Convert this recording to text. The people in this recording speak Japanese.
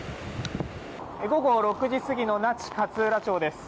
午後６時過ぎの那智勝浦町です。